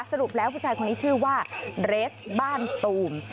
สรุปแล้วผู้ชายคนนี้ชื่อว่าเรสบ้านตูม